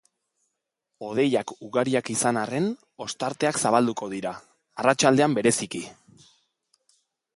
Hodeiak ugariak izan arren, ostarteak zabalduko dira, arratsaldean bereziki.